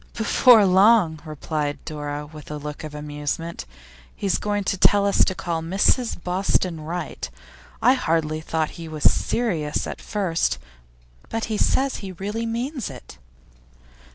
'Before long,' replied Dora, with a look of amusement, 'he's going to take us to call on Mrs Boston Wright. I hardly thought he was serious at first, but he says he really means it.